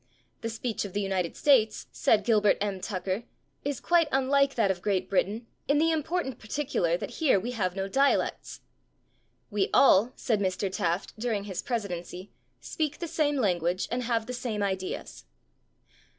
"The speech of the United States," said Gilbert M. Tucker, "is quite unlike that of Great Britain in the important particular that here we have no dialects." "We all," said Mr. Taft during his presidency, "speak the same language and have the same ideas."